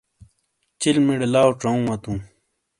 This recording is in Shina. چلمیڑے لاؤ ژاؤوں وتوں۔